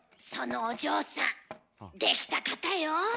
そのお嬢さんできた方よ。